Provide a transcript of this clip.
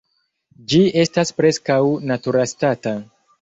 Ĝi estas preskaŭ naturastata.